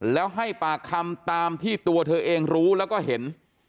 แล้วให้ปากคำตามที่ตัวเธอเองรู้แล้วก็เห็น